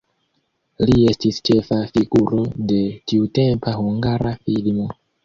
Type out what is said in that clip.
Li estis ĉefa figuro de tiutempa hungara filmo.